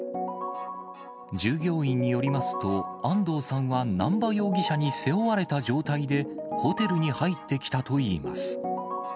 従業員によりますと、安藤さんは、南波容疑者に背負われた状態でホテルに入ってきたといいます。